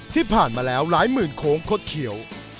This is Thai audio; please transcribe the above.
ที่ผ่านมาแล้วหลายหมื่นโค้งคดเขียว